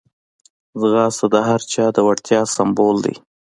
ځغاسته د هر چا د وړتیا سمبول دی